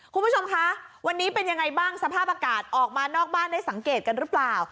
คุณผู้ชมคะวันนี้เป็นยังไงบ้างสภาพอากาศออกมานอกบ้านได้สังเกตกันหรือเปล่า